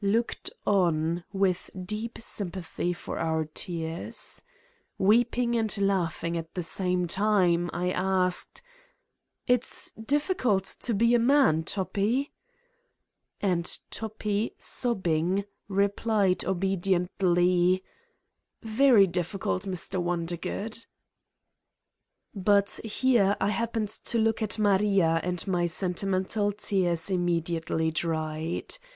looked on with deep sympathy for our tears. Weeping and laughing at the same time, I asked: "It's difficult to be a man, Toppil" And Toppi, sobbing, replied obediently: "Very difficult, Mr. Wondergood. '' But here I happened to look at Maria and my sentimental tears immediately dried.